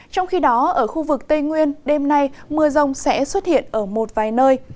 trong khi đó ở khu vực tây nguyên đêm nay mưa rông sẽ xuất hiện ở một vài nơi